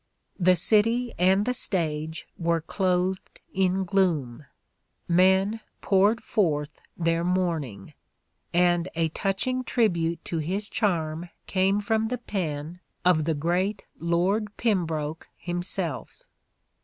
The city and the stage were clothed in gloom ... Men poured forth their mourning ... (and) a touch ing tribute to his charm came from the pen of the great Lord Pembroke himself."